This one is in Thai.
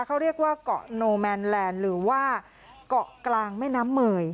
เขาเรียกว่าเกาะโนแมนแลนด์หรือว่าเกาะกลางแม่น้ำเมย